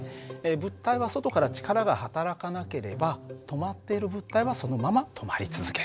物体は外から力がはたらかなければ止まっている物体はそのまま止まり続ける。